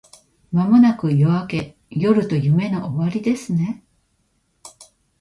間もなく夜明け…夜と夢の終わりですね